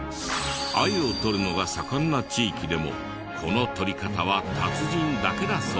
アユをとるのが盛んな地域でもこのとり方は達人だけだそうです。